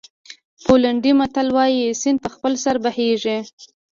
پولنډي متل وایي سیند په خپل سر بهېږي.